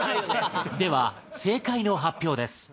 では正解の発表です。